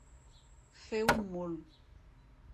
Fer un mul.